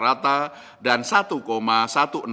mencapai nilai tukar rupiah di pasar valuta asing